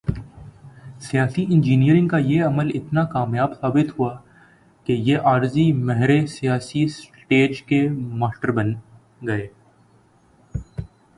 سیاسی انجینئرنگ کا یہ عمل اتنا کامیاب ثابت ہوا کہ یہ عارضی مہرے سیاسی سٹیج کے ماسٹر بن گئے۔